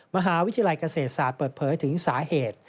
มหาวิทยาลัยเกษตรศาสตร์เปิดเผยถึงสาเหตุ